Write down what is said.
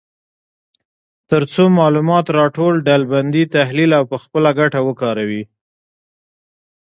تر څو معلومات راټول، ډلبندي، تحلیل او په خپله ګټه وکاروي.